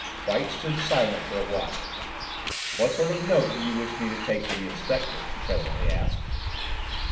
White stood silent for awhile. "What sort of a note do you wish me to take to the Inspector?" he presently asked.